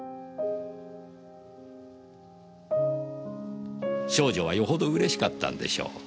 少女はよほどうれしかったんでしょう。